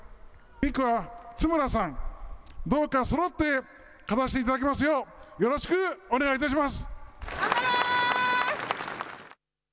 ２区は津村さん、どうかそろって勝たせていただきますよう、よろしくお願いいたします。